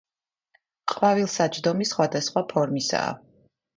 ყვავილსაჯდომი სხვადასხვა ფორმისაა.